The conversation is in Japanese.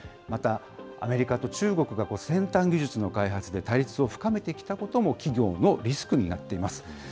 また、アメリカと中国が先端技術の開発で対立を深めてきたことも、企業のリスクになっています。